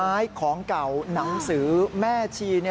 ไม้ของเก่าหนังสือแม่ชี